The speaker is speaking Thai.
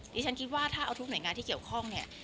ดิฉันคิดว่าถ้าเอาทุกหน่วยงานที่เกี่ยวข้องเนี่ย